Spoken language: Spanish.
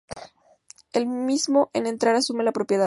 El último en entrar asume la propiedad.